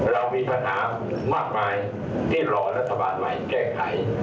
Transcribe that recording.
เรามีปัญหามากมายที่รอรัฐบาลใหม่แก้ไข